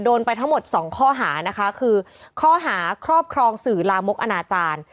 ไปทั้งหมดสองข้อหานะคะคือข้อหาครอบครองสื่อลามกอนาจารย์